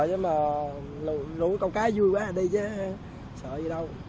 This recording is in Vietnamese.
rồi lũ câu cá vui quá ở đây chứ sợ gì đâu